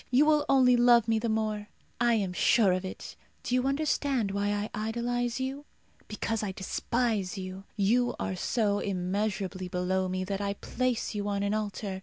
You will only love me the more. I am sure of it. Do you understand why I idolize you? Because I despise you. You are so immeasurably below me that I place you on an altar.